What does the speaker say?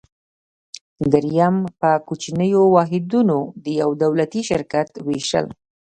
دریم: په کوچنیو واحدونو د یو دولتي شرکت ویشل.